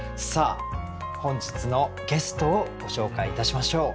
本日のゲストをご紹介いたしましょう。